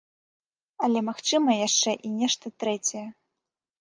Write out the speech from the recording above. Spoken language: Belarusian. Але магчыма яшчэ і нешта трэцяе.